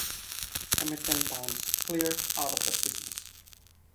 I made ten pounds, clear, out of that business.